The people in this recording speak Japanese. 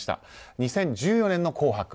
２０１４年の「紅白」